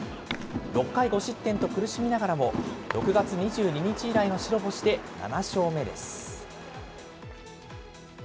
６回５失点と苦しみながらも、６月２２日以来の白星で７勝目です。